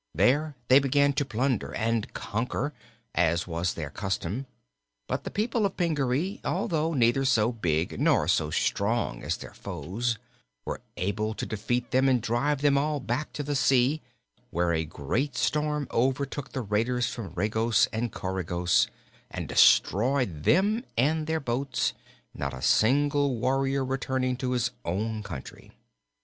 There they began to plunder and conquer, as was their custom, but the people of Pingaree, although neither so big nor so strong as their foes, were able to defeat them and drive them all back to the sea, where a great storm overtook the raiders from Regos and Coregos and destroyed them and their boats, not a single warrior returning to his own country.